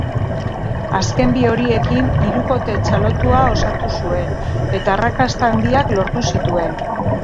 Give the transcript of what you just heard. Azken bi horiekin hirukote txalotua osatu zuen, eta arrakasta handiak lortu zituen.